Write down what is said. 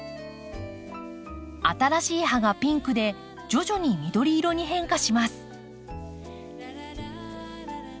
新しい葉がピンクで徐々に緑色に変化します。